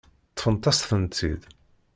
Ṭṭfent-as-tent-id.